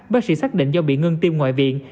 bác sĩ xác định do bị ngưng tim ngoại viện